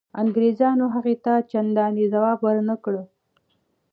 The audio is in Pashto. انګرېزانو هغه ته چنداني ځواب ورنه کړ.